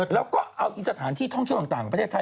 แล้วก็เอาสถานที่ท่องเที่ยวต่างประเทศไทย